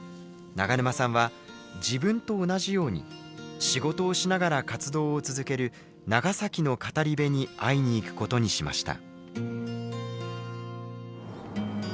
永沼さんは自分と同じように仕事をしながら活動を続ける長崎の語り部に会いに行くことにしました。